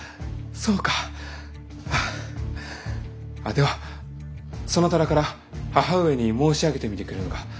そうかではそなたらから母上に申し上げてみてくれぬか。